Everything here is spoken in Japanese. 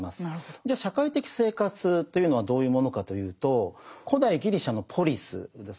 じゃ社会的生活というのはどういうものかというと古代ギリシャのポリスですね